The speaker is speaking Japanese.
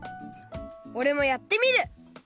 おれもやってみる！